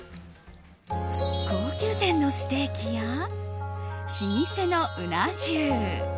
高級店のステーキや老舗のうな重。